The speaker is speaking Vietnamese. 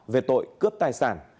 về tội cướp tài sản